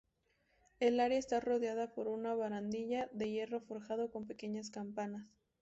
El área está rodeada por una barandilla de hierro forjado con pequeñas campanas.